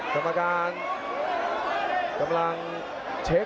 ส่วนหน้านั้นอยู่ที่เลด้านะครับ